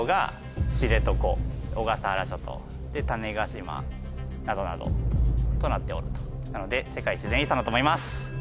小笠原諸島で種子島などなどとなっておるとなので世界自然遺産だと思います。